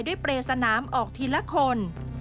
ด้วยเปรซนามออกทีละคน